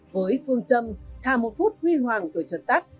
với phương châm thà một phút huy hoàng rồi trật tắt